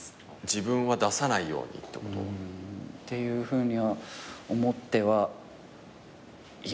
自分は出さないようにってこと？っていうふうには思ってはいます。